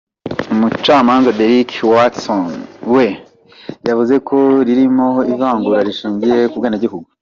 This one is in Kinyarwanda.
Umucamanza Derrick Watson, we yavuze ko ririmo ivangura rishingiye ku bwenegihugu.